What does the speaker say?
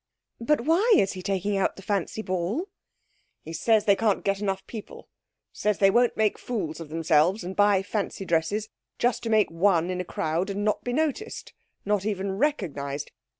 'But why is he taking out the fancy ball?' 'He says they can't get enough people. Says they won't make fools of themselves and buy fancy dresses just to make one in a crowd and not be noticed not even recognised.